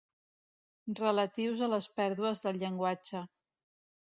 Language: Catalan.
Relatius a les pèrdues del llenguatge.